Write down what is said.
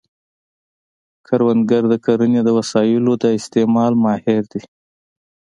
کروندګر د کرنې د وسایلو د استعمال ماهر دی